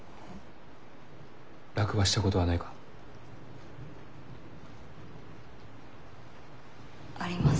落馬したことはないか？あります。